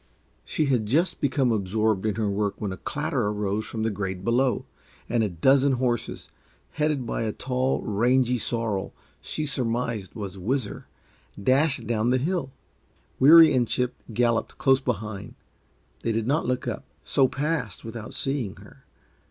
She had just become absorbed in her work when a clatter arose from the grade below, and a dozen horses, headed by a tall, rangy sorrel she surmised was Whizzer, dashed down the hill. Weary and Chip galloped close behind. They did not look up, and so passed without seeing her.